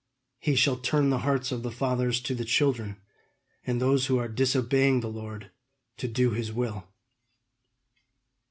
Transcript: He shall turn the hearts of the fathers to the children, and those who are disobeying the Lord to do his will."